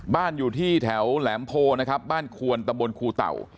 บ้านอยู่ที่แถวแหลมโพนะครับบ้านควนตะบนครูเต่า